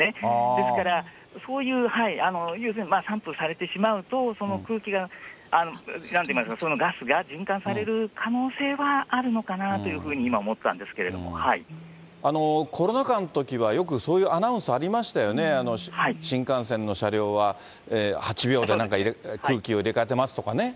ですから、そういう、要するに散布されてしまうと、空気が、そのガスが循環される可能性はあるのかなというふうに今、コロナ禍のときはよくそういうアナウンスありましたよね、新幹線の車両は８秒で空気を入れ替えてますとかね。